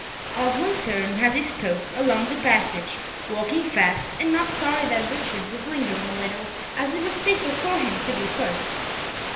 Osmond turned, as he spoke, along the passage, walking fast, and not sorry that Richard was lingering a little, as it was safer for him to be first.